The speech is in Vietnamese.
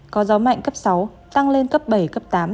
có gió mạnh cấp sáu tăng lên cấp bảy cấp tám